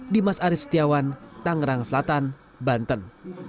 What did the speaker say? dimas arief setiawan tangerang selatan banten